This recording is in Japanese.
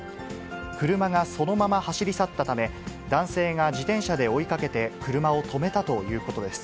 車がそのまま走り去ったため、男性が自転車で追いかけて、車を止めたということです。